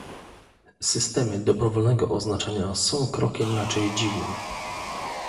Systemy dobrowolnego oznaczania są krokiem raczej dziwnym